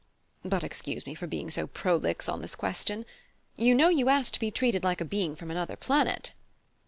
But excuse me for being so prolix on this question! You know you asked to be treated like a being from another planet."